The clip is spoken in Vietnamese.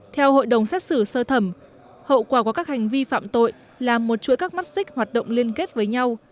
theo hội đồng xét xử sơ thẩm hậu quả của các hành vi phạm tội là một chuỗi các mắt xích hoạt động liên kết với nhau